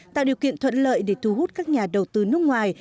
tạo điều kiện thuận lợi để thu hút các nhà đầu tư nước ngoài